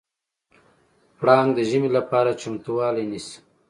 پړانګ د ژمي لپاره چمتووالی نیسي.